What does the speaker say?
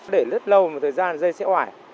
để rất lâu một thời gian dây sẽ hoài